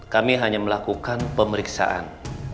kami hanya melakukan pemeriksaan